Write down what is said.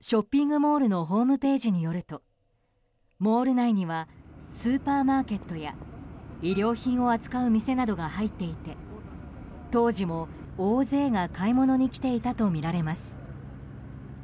ショッピングモールのホームページによるとモール内にはスーパーマーケットや衣料品を扱う店などが入っていて当時も大勢が買い物に来ていたとみられます。